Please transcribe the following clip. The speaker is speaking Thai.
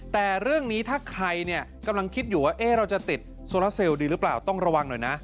แต่เรื่องนี้ถ้าใครเนี่ยกำลังคิดอยู่ว่าเราจะติดโซลาเซลลดีหรือเปล่าต้องระวังหน่อยนะ